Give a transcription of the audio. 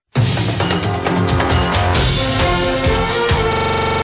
berita terkini mengenai cuaca ekstrem dua ribu dua puluh satu